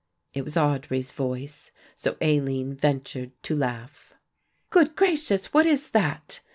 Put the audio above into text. It was Audry's voice so Aline ventured to laugh. "Good gracious, what is that?"